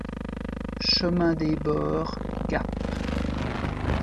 Chemin Dès Boeres, Gap